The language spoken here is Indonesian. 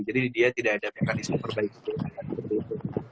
dia tidak ada mekanisme perbaikan seperti itu